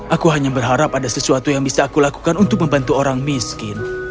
aku hanya berharap ada sesuatu yang bisa aku lakukan untuk membantu orang miskin